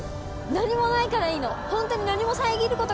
何もないからいいのホントに。